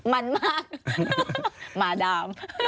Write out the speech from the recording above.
มันมากหมาดำ